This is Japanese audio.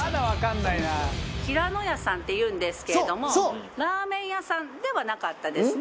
ひらのやさんっていうんですけれどもラーメン屋さんではなかったですね。